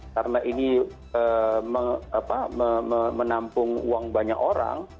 karena ini menampung uang banyak orang